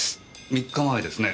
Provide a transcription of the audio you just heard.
３日前ですね。